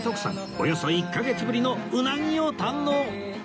およそ１カ月ぶりのうなぎを堪能！